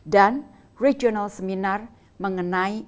dan regional seminar mengenai anti penyiksaan